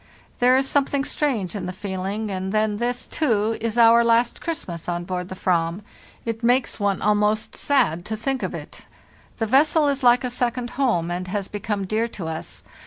There is something strange in the feeling; and then this, too, is our last Christmas on board the /vrazz. It makes one almost sad to think of it. The vessel is like a second home, and has become dear to us.